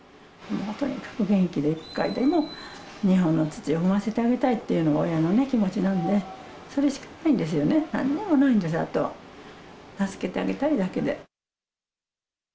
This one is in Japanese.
とにかく元気で一回でも日本の土を踏ませてあげたいっていうのが、親の気持ちなんで、それしかないんですよね、なんにもないんです、あとは、助けてあげたいだけで。